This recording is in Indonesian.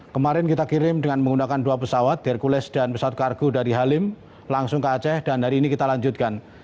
kemarin kita kirim dengan menggunakan dua pesawat hercules dan pesawat kargo dari halim langsung ke aceh dan hari ini kita lanjutkan